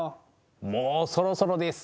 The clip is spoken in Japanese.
もうそろそろです。